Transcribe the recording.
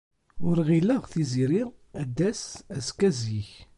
Ur ɣileɣ Tiziri ad d-tas akka zik.